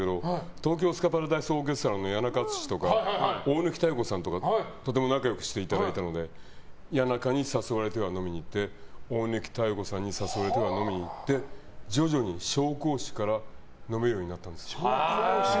東京スカパラダイスオーケストラの谷中さんとか大貫妙子さんとかとても仲良くしていただいたので誘われて飲みに行って徐々に紹興酒から飲めるようになったんです。